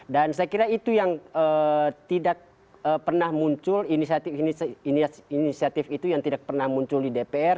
dan saya kira itu yang tidak pernah muncul inisiatif itu yang tidak pernah muncul di dpr